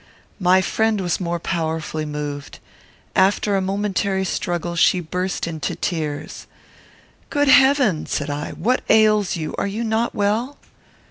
My friend was more powerfully moved. After a momentary struggle she burst into tears. "Good heaven!" said I, "what ails you? Are you not well?"